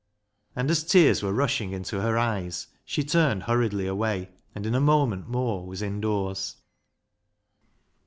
And as tears were rushing into her eyes she turned hurriedly away, and in a moment more was indoors.